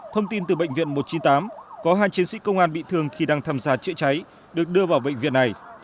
thông tin từ bệnh viện một trăm chín mươi tám có hai chiến sĩ công an bị thương khi đang tham gia chữa cháy được đưa vào bệnh viện này